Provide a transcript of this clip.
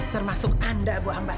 termasuk anda bu ambar